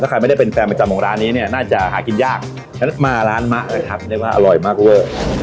ใครไม่ได้เป็นแฟนประจำของร้านนี้เนี่ยน่าจะหากินยากฉะนั้นมาร้านมะนะครับเรียกว่าอร่อยมากเวอร์